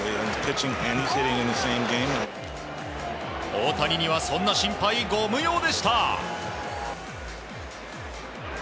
大谷にはそんな心配ご無用でした。